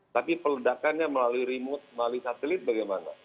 tapi peledakannya melalui remote melalui satelit bagaimana